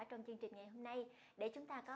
trong chương trình ngày hôm nay